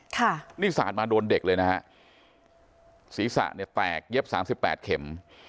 ค่ะนี่สาดมาโดนเด็กเลยนะฮะศีรษะเนี่ยแตกเย็บสามสิบแปดเข็ม